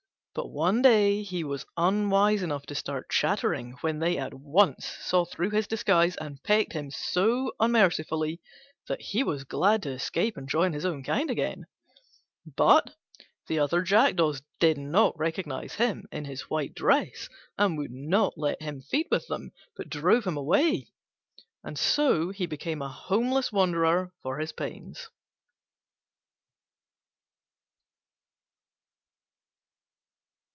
But one day he was unwise enough to start chattering, when they at once saw through his disguise and pecked him so unmercifully that he was glad to escape and join his own kind again. But the other jackdaws did not recognise him in his white dress, and would not let him feed with them, but drove him away: and so he became a homeless wanderer for his pains.